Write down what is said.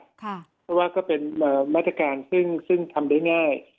เพราะว่าก็เป็นมาตรการซึ่งทำได้ง่าย